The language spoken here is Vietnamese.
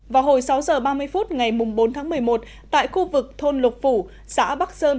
vào hồi sáu h ba mươi phút ngày bốn tháng một mươi một tại khu vực thôn lục phủ xã bắc sơn